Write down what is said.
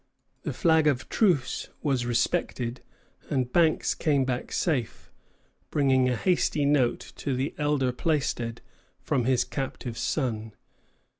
The flag of truce was respected, and Banks came back safe, bringing a hasty note to the elder Plaisted from his captive son.